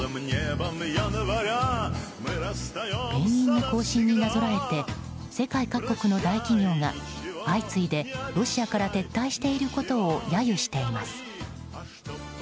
ペンギンの行進になぞらえて世界各国の大企業が相次いでロシアから撤退していることを揶揄しています。